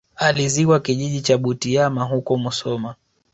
Alizikwa kijiji cha Butiama huko musoma